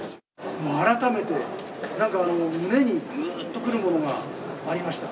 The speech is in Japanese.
改めて、なんか胸にぐーっとくるものがありました。